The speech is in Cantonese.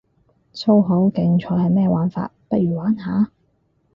粗口競賽係咩玩法，不如玩下